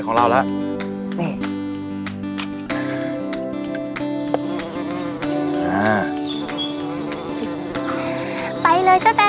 ฉันจะตัดพ่อตัดลูกกับแกเลย